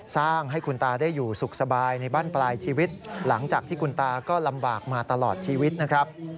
สร้างให้คุณตาได้อยู่สุขสบายในบ้านปลายชีวิตหลังจากที่คุณตาก็ลำบากมาตลอดชีวิตนะครับ